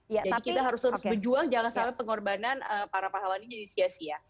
jadi kita harus terus berjuang jangan sampai pengorbanan para pahlawan ini jadi sia sia